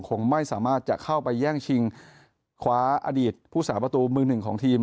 คงไม่สามารถจะเข้าไปแย่งชิงคว้าอดีตผู้สาประตูมือหนึ่งของทีม